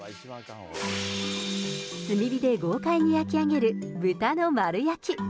炭火で豪快に焼き上げる豚の丸焼き。